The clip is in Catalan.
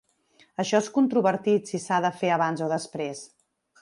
Això és controvertit, si s’ha de fer abans o després.